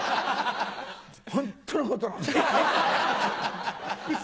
ホントのことなんです。